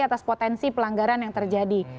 atas potensi pelanggaran yang terjadi